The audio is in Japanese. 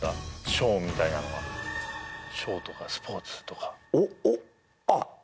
ショーみたいなのがショーとかスポーツとかおっおっあっ